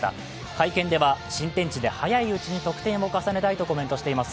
会見では、新天地で早いうちに得点を重ねたいとしています。